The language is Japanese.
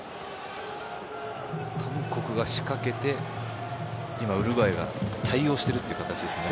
韓国が仕掛けて今、ウルグアイが対応しているという形ですね。